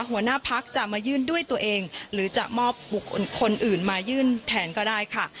หัวหน้าพักจะมายื่นด้วยตัวเองหรือจะมอบบุคคลคนอื่นมายื่นแทนก็ได้ค่ะ